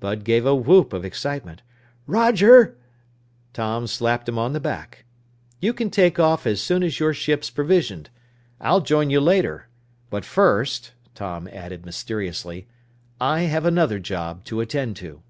Bud gave a whoop of excitement. "Roger!" Tom slapped him on the back. "You can take off as soon as your ship's provisioned. I'll join you later but first," Tom added mysteriously, "I have another job to attend to."